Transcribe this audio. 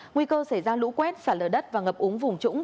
nguy cơ xảy ra lũ quét xả lở đất và ngập úng vùng trũng